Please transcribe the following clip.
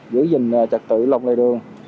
giữ gìn trật tự lồng lề đường